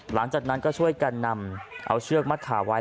หลังจากนั้นก็ช่วยกันนำเอาเชือกมัดขาไว้